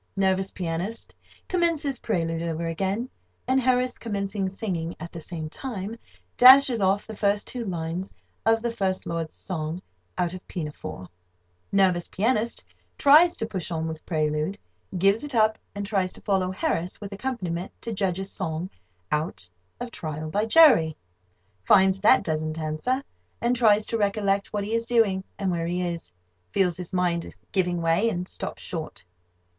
Nervous pianist commences prelude over again, and Harris, commencing singing at the same time, dashes off the first two lines of the First Lord's song out of "Pinafore." Nervous pianist tries to push on with prelude, gives it up, and tries to follow Harris with accompaniment to Judge's song out of "Trial by Jury," finds that doesn't answer, and tries to recollect what he is doing, and where he is, feels his mind giving way, and stops short.